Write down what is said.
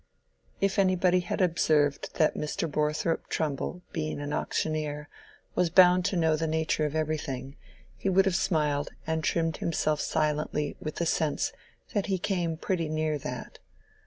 If anybody had observed that Mr. Borthrop Trumbull, being an auctioneer, was bound to know the nature of everything, he would have smiled and trimmed himself silently with the sense that he came pretty near that.